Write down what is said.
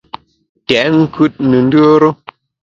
Tèt nkùt ne ndùere.